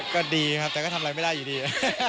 ก็ดีครับแต่ก็ทำอะไรไม่ได้อยู่ดี